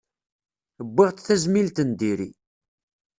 Wwiɣ-d tazmilt n diri.